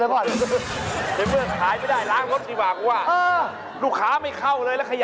เก่งมาก